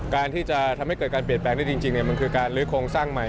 การที่จะทำให้เกิดการเปลี่ยนแปลงได้จริงมันคือการลื้อโครงสร้างใหม่